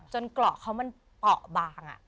เกราะเขามันเปาะบาง